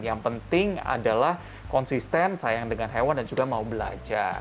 yang penting adalah konsisten sayang dengan hewan dan juga mau belajar